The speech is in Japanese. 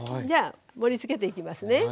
じゃあ盛りつけていきますね。